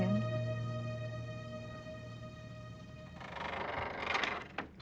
terima kasih hen